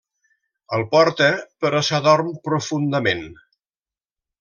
El porta però s'adorm profundament.